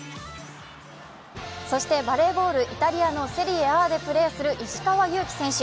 そしてバレーボールイタリアのセリエＡでプレーする石川祐希選手。